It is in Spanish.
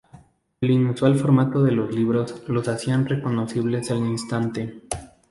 El inusual formato de los libros los hacían reconocibles al instante.